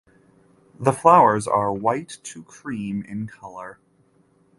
The flowers are white to cream in colour.